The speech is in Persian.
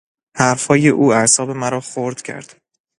حرفهای او اعصاب مرا خرد کرد.